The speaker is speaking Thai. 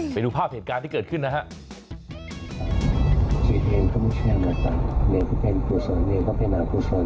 ไปดูภาพเหตุการณ์ที่เกิดขึ้นนะฮะ